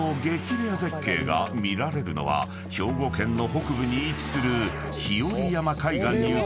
レア絶景が見られるのは兵庫県の北部に位置する日和山海岸に浮かぶ］